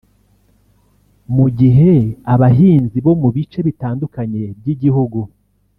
Mu gihe abahinzi bo mu bice bitandukanye by’igihugu